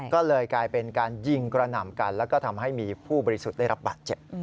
ก็เลยกลายเป็นการยิงกระหน่ำกันแล้วก็ทำให้มีผู้บริสุทธิ์ได้รับบาดเจ็บ